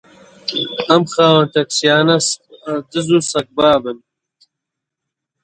ئەم خاوەن تاکسییانە دز و سەگبابن